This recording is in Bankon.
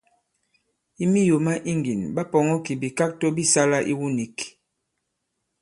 I miyò ma iŋgìn, ɓa pɔ̀ŋɔ kì bìkakto bi sālā iwu nīk.